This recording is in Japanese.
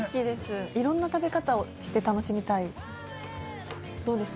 色んな食べ方をして楽しみたい。